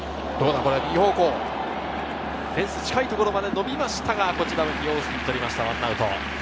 これ、フェンスに近いところまで伸びましたが、オースティン捕りました、１アウト。